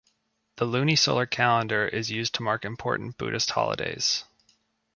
The lunisolar calendar is used to mark important Buddhist holidays.